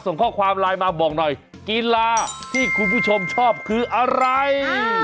ส่งข้อความไลน์มาบอกหน่อยกีฬาที่คุณผู้ชมชอบคืออะไร